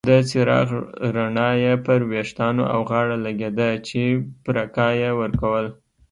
د څراغ رڼا یې پر ویښتانو او غاړه لګیده چې پرکا یې ورکول.